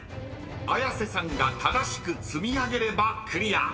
［綾瀬さんが正しく積み上げればクリア］